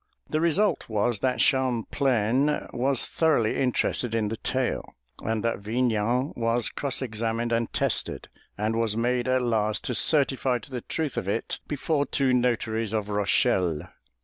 The result was that Champlain was thoroughly interested in the tale, and that Vignan was cross examined and tested, and was made at last to certify to the truth of it before two notaries of Rochelle.